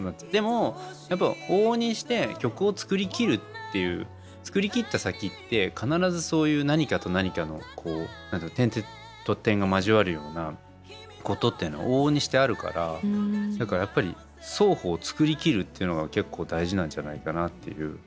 でもやっぱ往々にして曲を作りきるっていう作りきった先って必ずそういう何かと何かの点と点が交わるようなことっていうのは往々にしてあるからだからやっぱり双方作りきるってのが結構大事なんじゃないかなっていう。